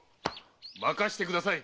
任してください！